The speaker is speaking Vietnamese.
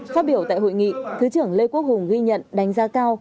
phát biểu tại hội nghị thứ trưởng lê quốc hùng ghi nhận đánh giá cao